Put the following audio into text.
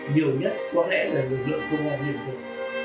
nhiều nhất có lẽ là lực lượng công an liên tục